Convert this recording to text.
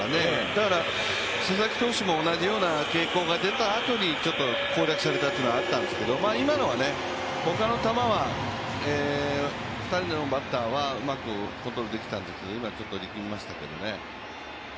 だから佐々木投手も同じような傾向が出た後に攻略されたというのがあったんですけど今のは他の球は２人のバッターはうまくコントールできたと思うんですが今、ちょっと力みましたけどね。